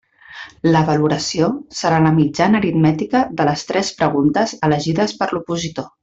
La valoració serà la mitjana aritmètica de les tres preguntes elegides per l'opositor.